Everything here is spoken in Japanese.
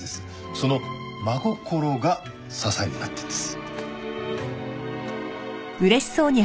その真心が支えになってるんです。